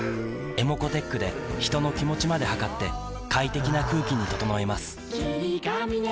ｅｍｏｃｏーｔｅｃｈで人の気持ちまで測って快適な空気に整えます